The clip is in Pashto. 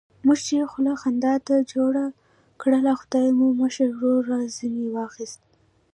موږ چې خوله خندا ته جوړه کړله، خدای مو مشر ورور را ځنې واخیست.